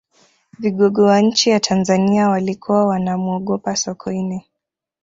vigogo wa nchi ya tanzania walikuwa wanamuogopa sokoine